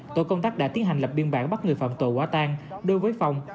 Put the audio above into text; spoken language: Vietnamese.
tội công tác đã tiến hành lập biên bản bắt người phạm tội quả tàn đối với phong